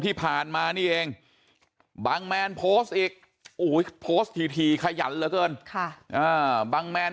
ที่ผ่านมานี่เองบังแมนโพสต์อีกโพสต์ถี่ขยันเหลือเกินบังแมน